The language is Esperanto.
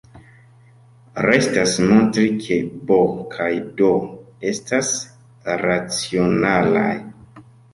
Restas montri ke "b" kaj "d" estas racionalaj.